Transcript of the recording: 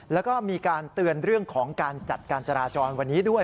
แล้วก็มีการเตือนเรื่องของการจัดการจราจรวันนี้ด้วย